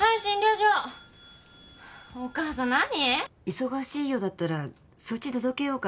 忙しいようだったらそっち届けようか？